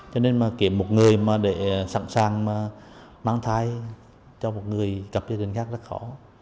cho nên mà kiếm một người mà để sẵn sàng mà mang thai cho một người gặp gia đình khác rất khó